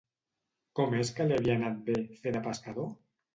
Com és que li havia anat bé fer de pescador?